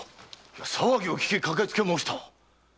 騒ぎを聞き駆けつけ申した。